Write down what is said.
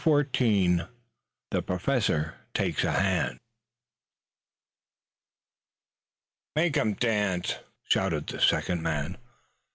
CHAPTER XIV THE PROFESSOR TAKES A HAND "Make 'em dance!" shouted the second man.